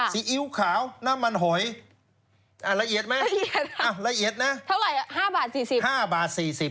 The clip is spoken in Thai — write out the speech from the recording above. ซีอิ๊วขาวน้ำมันหอยอ่ะละเอียดไหมละเอียดนะเท่าไหร่๕บาท๔๐